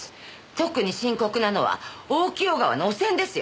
特に深刻なのは大清川の汚染ですよ。